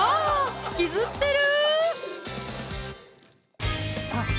引きずってる！